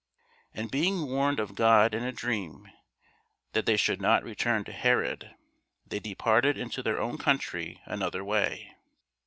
And being warned of God in a dream that they should not return to Herod, they departed into their own country another way.